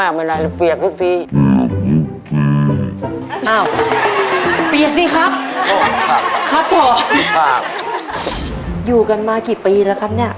กลับเท่าไหร่นะ